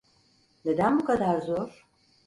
Neden bu kadar zor?